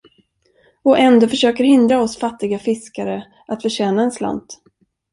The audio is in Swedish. Och ändå försöker hindra oss fattiga fiskare att förtjäna en slant.